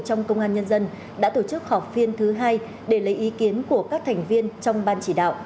trong công an nhân dân đã tổ chức họp phiên thứ hai để lấy ý kiến của các thành viên trong ban chỉ đạo